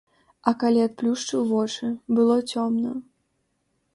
А калі адплюшчыў вочы, было цёмна.